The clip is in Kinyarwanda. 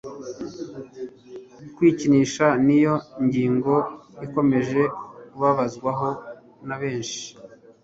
kwikinisha niyo ngingo ikomeje kubazwaho na benshi,